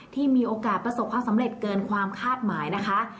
ที่มีโอกาสประสบความสำเร็จเกินความคาดหมายนะคะ